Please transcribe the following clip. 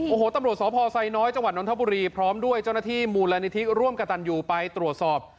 โอ้โหตำรวจสพไซน้อยจังหวัดนทบุรีพร้อมด้วยเจ้าหน้าที่มูลนิธิร่วมกับตันยูไปตรวจสอบ